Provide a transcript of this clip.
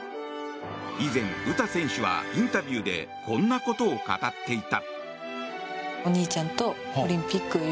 以前、詩選手はインタビューでこんなことを語っていた。